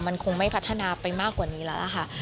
มันคงไม่พัฒนาไปมากกว่านี้แล้วล่ะค่ะ